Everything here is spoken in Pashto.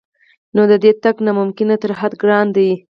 نو د دې تګ دی نا ممکن تر حده ګران دی